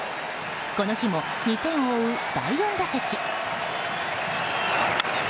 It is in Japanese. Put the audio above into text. この日も２点を追う第４打席。